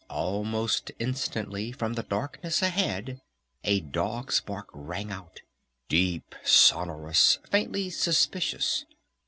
Almost instantly from the darkness ahead a dog's bark rang out, deep, sonorous, faintly suspicious.